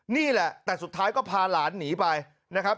นี่แหละแต่สุดท้ายก็พาหลานหนีไปนะครับ